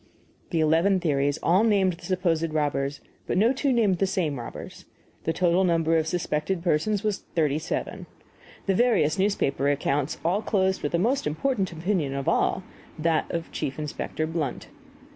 The eleven theories all named the supposed robbers, but no two named the same robbers; the total number of suspected persons was thirty seven. The various newspaper accounts all closed with the most important opinion of all that of Chief Inspector Blunt.